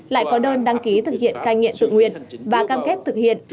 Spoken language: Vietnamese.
lại có đơn đăng ký thực hiện cai nghiện tự nguyện và cam kết thực hiện